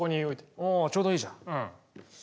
おちょうどいいじゃん。